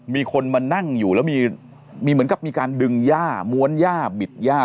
มีคนมานั่งอยู่แล้วมีเหมือนกับมีการดึงย่าม้วนย่าบิดย่า